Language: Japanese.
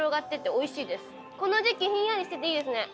この時季ひんやりしてていいですね。